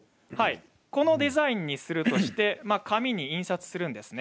このデザインにするとして紙に印刷するんですね。